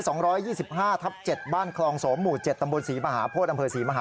สองร้อยยี่สิบห้าทับเจ็ดบ้านคลองโสมหมู่เจ็ดตำบลสี่มหาโพธิ์